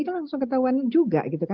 itu langsung ketahuan juga